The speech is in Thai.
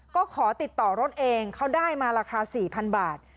ก็ขอติดต่อรถเองเขาได้มาราคา๔๐๐๐บาท